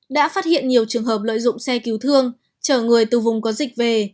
đã phát hiện nhiều trường hợp lợi dụng xe cứu thương chở người từ vùng có dịch về